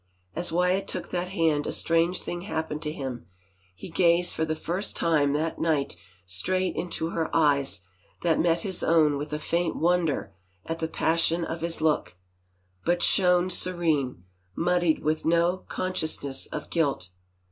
As Wyatt took that hand a strange thing happened to him. He gazed for the first time that night straight into her eyes that met his own with a faint wonder at the passion of his look, but shone serene, muddied with no consciousness of guilt.